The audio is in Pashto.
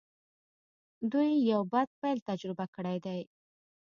دوی يو بد پيل تجربه کړی دی.